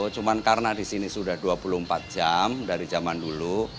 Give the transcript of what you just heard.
cuma karena di sini sudah dua puluh empat jam dari zaman dulu